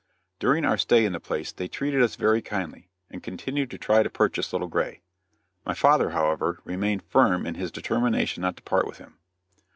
During our stay in the place they treated us very kindly, and continued to try to purchase Little Gray. My father, however, remained firm in his determination not to part with him.